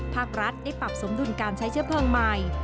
ภาครัฐได้ปรับสมดุลการใช้เชื้อเพลิงใหม่